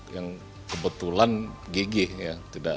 yang kebetulan gigih ya